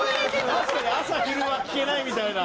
確かに朝昼は聴けないみたいな。